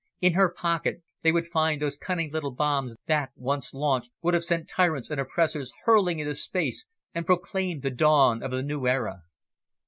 In her pocket they would find those cunning little bombs that, once launched, would have sent tyrants and oppressors hurling into space, and proclaimed the dawn of the new era.